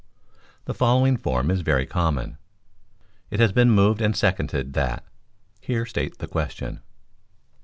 '" The following form is very common: "It has been moved and seconded that (here state the question).